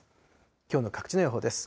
きょうの各地の予報です。